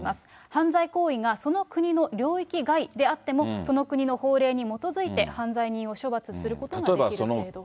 犯罪行為がその国の領域外であっても、その国の法令に基づいて、犯罪人を処罰することができる制度。